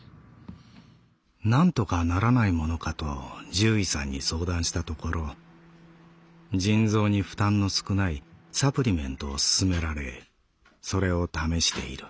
「なんとかならないものかと獣医さんに相談したところ腎臓に負担の少ないサプリメントを勧められそれを試している」。